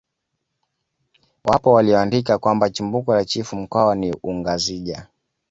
Wapo walioandika kwamba chimbuko la chifu mkwawa ni ungazija